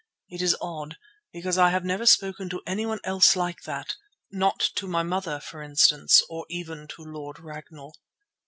It is odd, because I have never spoken to anyone else like that, not to my mother for instance, or even to Lord Ragnall.